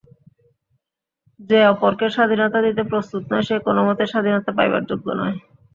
যে অপরকে স্বাধীনতা দিতে প্রস্তুত নয়, সে কোনমতেই স্বাধীনতা পাইবার যোগ্য নহে।